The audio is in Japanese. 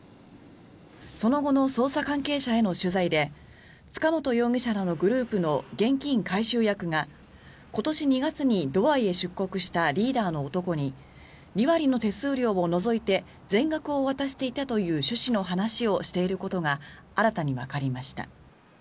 その後の捜査関係者への取材で塚本容疑者らのグループの現金回収役が今年２月にドバイへ出国したリーダーの男に２割の手数料を除いて全額を渡していたという趣旨の話をしていることが新たにわかりました。